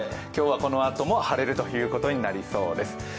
今日はこのあとも晴れるということになりそうです。